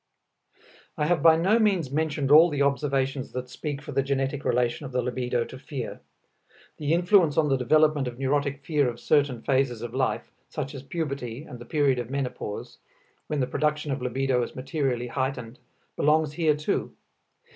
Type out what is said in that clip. I have by no means mentioned all the observations that speak for the genetic relation of the libido to fear. The influence on the development of neurotic fear of certain phases of life, such as puberty and the period of menopause, when the production of libido is materially heightened, belongs here too.